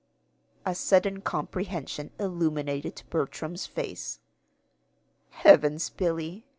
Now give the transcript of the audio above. A sudden comprehension illuminated Bertram's face. "Heavens, Billy!